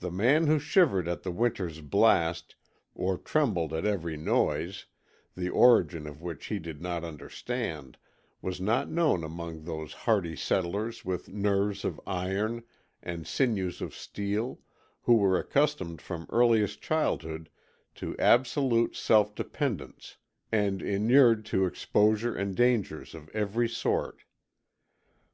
The man who shivered at the winter's blast, or trembled at every noise, the origin of which he did not understand, was not known among those hardy settlers with nerves of iron and sinews of steel, who were accustomed from earliest childhood to absolute self dependence and inured to exposure and dangers of every sort.